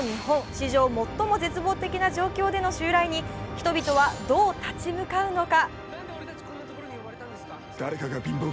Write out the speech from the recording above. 史上最も絶望的な状況での襲来に人々はどう立ち向かうのか。